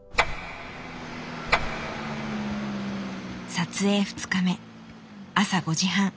撮影２日目朝５時半。